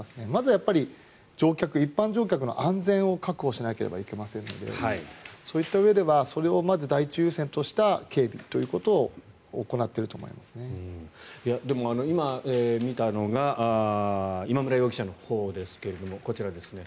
まずは一般乗客の安全を確保しなければいけませんのでそういったうえではそれを第一優先にした警備というのをでも、今見たのが今村容疑者のほうですけれどこちらですね。